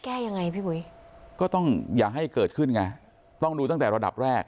แก้ยังไงพี่อุ๋ยก็ต้องอย่าให้เกิดขึ้นไงต้องดูตั้งแต่ระดับแรก